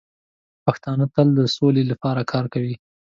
پښتانه تل د سولې لپاره کار کوي.